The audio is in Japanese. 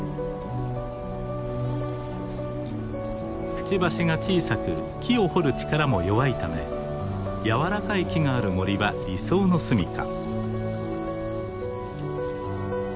クチバシが小さく木を掘る力も弱いため柔らかい木がある森は理想の住みか。